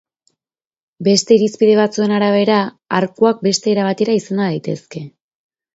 Beste irizpide batzuen arabera, arkuak beste era batera izenda daitezke.